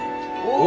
お！